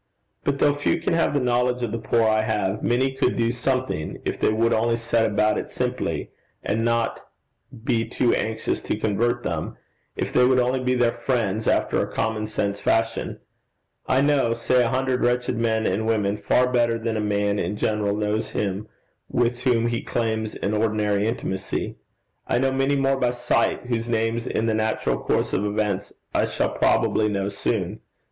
But though few can have the knowledge of the poor I have, many could do something, if they would only set about it simply, and not be too anxious to convert them; if they would only be their friends after a common sense fashion. I know, say, a hundred wretched men and women far better than a man in general knows him with whom he claims an ordinary intimacy. I know many more by sight whose names in the natural course of events I shall probably know soon.